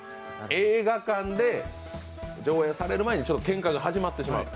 映画館で上映される前にけんかが始まってしまう。